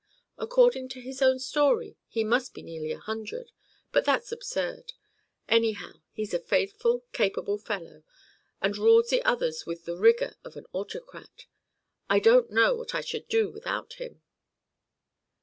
According to his own story he must be nearly a hundred; but that's absurd. Anyhow, he's a faithful, capable fellow, and rules the others with the rigor of an autocrat. I don't know what I should do without him."